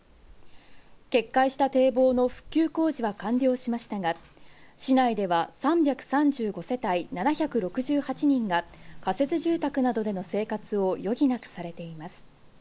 決壊した堤防の復旧工事は完了しましたが、市内では３３５世帯７６８人が仮設住宅などでの生活を余儀なくされています。